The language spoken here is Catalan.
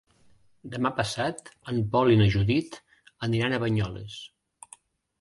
Demà passat en Pol i na Judit aniran a Banyoles.